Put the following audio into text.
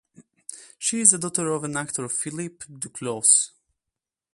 She is the daughter of an actor Philippe Duclos.